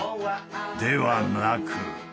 ではなく。